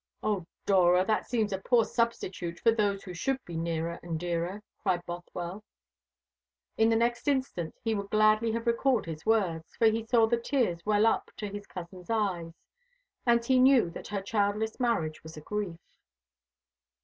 "O Dora, that seems a poor substitute for those who should be nearer and dearer," cried Bothwell. In the next instant he would gladly have recalled his words, for he saw the tears well up to his cousin's eyes, and he knew that her childless marriage was a grief.